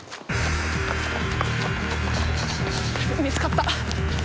見つかった！？